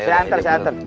saya anter ya saya anter